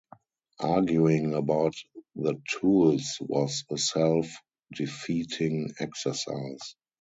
Arguing about the tools was a self-defeating exercise.